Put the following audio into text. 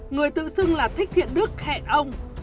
người tự xưng là thích thiện đức hẹn ông